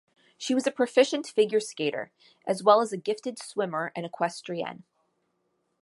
She was a proficient figure skater, as well as a gifted swimmer and equestrienne.